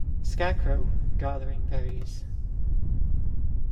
Scarecrow gathering berries.